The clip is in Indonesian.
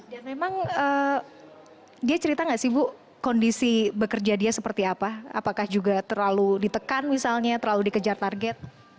memang dia cerita nggak sih bu kondisi bekerja dia seperti apa apakah juga terlalu ditekan misalnya terlalu dikejar target